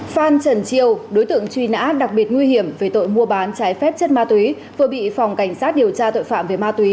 phan trần triều đối tượng truy nã đặc biệt nguy hiểm về tội mua bán trái phép chất ma túy vừa bị phòng cảnh sát điều tra tội phạm về ma túy